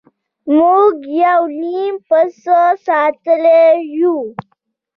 موږ یو نیم پسه ساتلی وي.